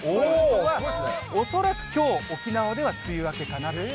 恐らくきょう、沖縄では梅雨明けかなと。